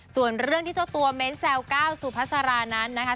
ส่วนเรื่องที่เจ้าตัวเม้นแซวก้าวสุภาษารานั้นนะคะ